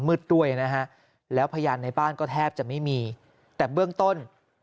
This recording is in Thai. มืดด้วยนะฮะแล้วพยานในบ้านก็แทบจะไม่มีแต่เบื้องต้น